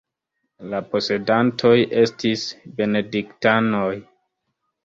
La posedantoj estis benediktanoj.